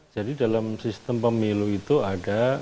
jadi dalam sistem pemilu itu ada empat elemen